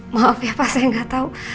maaf ya pak saya gak tau